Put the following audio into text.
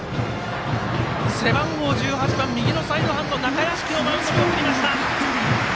背番号１８番右のサイドハンド、中屋敷をマウンドに送りました。